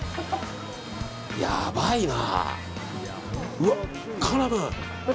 やばいな。